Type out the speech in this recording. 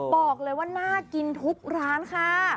บอกเลยว่าน่ากินทุกร้านค่ะ